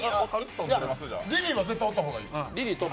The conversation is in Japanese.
リリーは絶対におった方がいい。